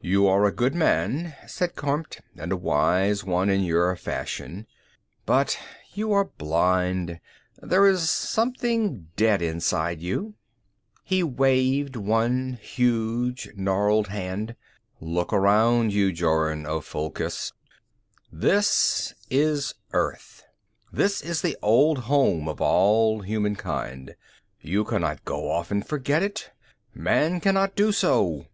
"You are a good man," said Kormt, "and a wise one in your fashion. But you are blind. There is something dead inside you." He waved one huge gnarled hand. "Look around you, Jorun of Fulkhis. This is Earth. This is the old home of all humankind. You cannot go off and forget it. Man cannot do so.